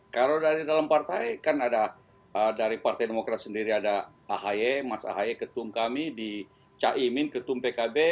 kalau dari dalam partai kan ada dari partai demokrat sendiri ada pak haye mas haye ketum kami di cak imin ketum pkb